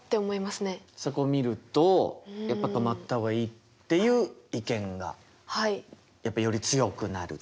そこを見るとやっぱ止まった方がいいっていう意見がやっぱりより強くなる。